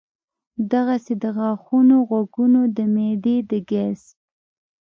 دغسې د غاښونو ، غوږونو ، د معدې د ګېس ،